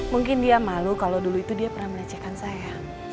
mungkin dia malu kalau dulu itu dia pernah melecehkan saya